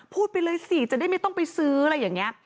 พูดไปเลยสิจะได้ไม่ต้องไปซื้ออะไรอย่างนี้